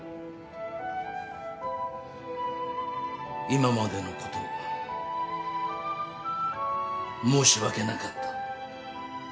今までのこと申し訳なかった。